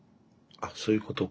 あっそういうことか。